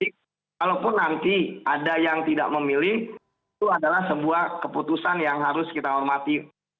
kalaupun nanti ada yang tidak memilih itu adalah sebuah keputusan yang harus kita hormati